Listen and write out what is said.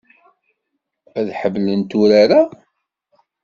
Ad ḥemmlent urar-a.